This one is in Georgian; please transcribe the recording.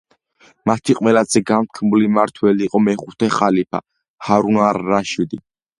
მათი ყველა განთქმული მართველი იყო მეხუთე ხალიფა, ჰარუნ არ-რაშიდი.